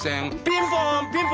ピンポン！